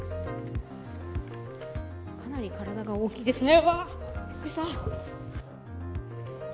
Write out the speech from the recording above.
かなり体が大きいですね。